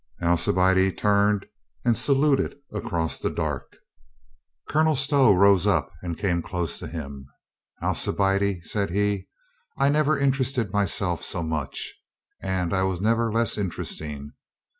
Alcibiade turned and saluted across the dark. Colonel Stow rose up and came close to him. "Al cibiade," said he, "I never interested myself so much. And I was never less interesting.